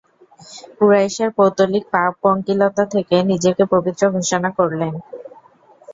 কুরাইশের পৌত্তলিক পাপ-পঙ্কিলতা থেকে নিজেকে পবিত্র ঘোষণা করলেন।